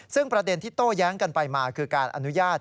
ซึ่งประเด็นที่โต้แย้งกันไปมาคือการอนุญาต